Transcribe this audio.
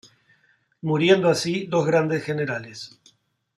Muriendo así dos grandes generales.